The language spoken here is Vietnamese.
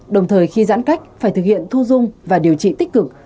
đồng thời khi giãn cách phải thực hiện thu dung và điều trị tích cực